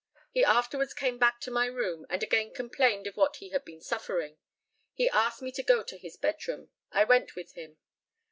He afterwards came back to my room, and again complained of what he had been suffering. He asked me to go to his bedroom. I went with him.